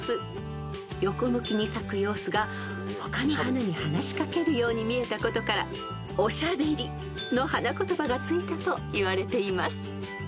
［横向きに咲く様子が他の花に話し掛けるように見えたことから「おしゃべり」の花言葉が付いたといわれています］